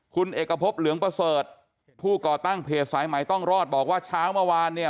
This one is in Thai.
คุณเอกพบเหลืองประเสริฐผู้ก่อตั้งเพจสายใหม่ต้องรอดบอกว่าเช้าเมื่อวานเนี่ย